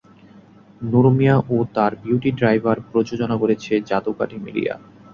নুরু মিয়া ও তার beauty driver প্রযোজনা করেছে যাদু কাঠি মিডিয়া।